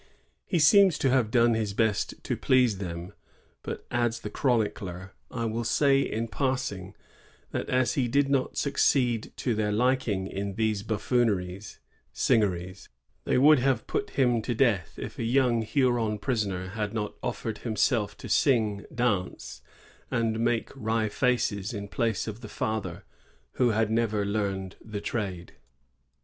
He seems to have done his best to please them; ^but," adds the chronicler, "' I will say in passing, that as he did not succeed to their liking in these buffooneries (singeries)^ they would have put him to death if a young Huron prisoner had not offered himself to sing, dance, and make wry faces in place of the father, who had never learned the trade.